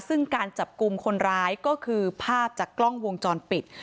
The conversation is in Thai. ซึ่งการจับกลุ่มคนร้ายก็คือภาพจากกล้องวงจรปิด